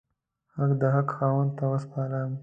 حق د حق خاوند ته وسپارم.